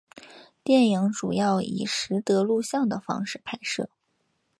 电影主要以拾得录像的方式拍摄。